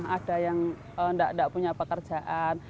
ada yang tidak punya pekerjaan